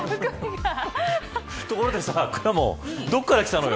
ところで、くらもんどこから来たのよ。